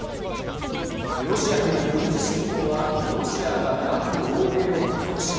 ロシアによる軍事侵攻はロシアが脱欧米を加速し